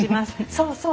そうそう。